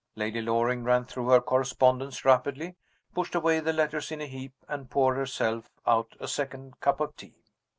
Lady Loring ran through her correspondence rapidly, pushed away the letters in a heap, and poured herself out a second cup of tea.